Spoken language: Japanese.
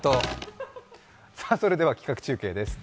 さあ、それでは企画中継です。